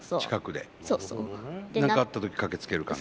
で何かあった時駆けつける感じ？